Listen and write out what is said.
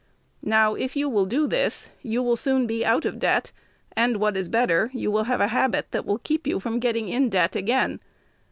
Now, if you will do this, you will be soon out of debt, and, what is better, you will have a habit that will keep you from getting in debt again.